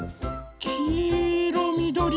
きいろみどり